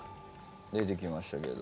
出てきましたけど。